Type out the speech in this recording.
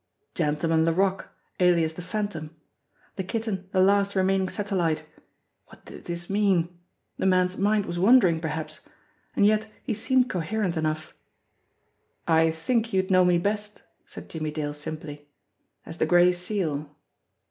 Gentleman Laroque, alias the Phantom! The Kitten the last remaining satellite! What did this mean? The man's mind was wandering, perhaps and yet he seemed coherent enough. "I think you'd know me best," said Jimmie Dale simply, "as the Gray Seal."